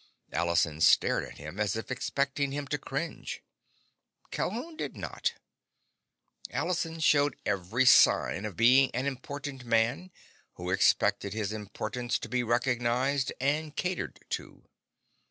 Allison stared at him as if expecting him to cringe. Calhoun did not. Allison showed every sign of being an important man who expected his importance to be recognized and catered to.